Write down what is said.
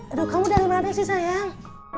aduh kamu dari mana sih sayang